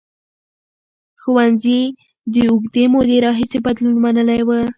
ښوونځي د اوږدې مودې راهیسې بدلون منلی و.